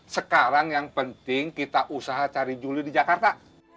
sekarang yang penting kita usaha cari juli di jakarta